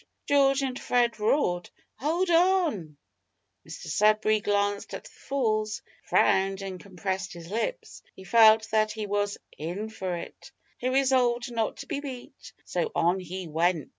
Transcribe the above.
George and Fred roared, "Hold on!" Mr Sudberry glanced at the falls, frowned, and compressed his lips. He felt that he was "in for it;" he resolved not to be beat, so on he went!